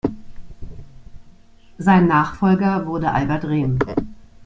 Sein Nachfolger wurde Albert Rehm.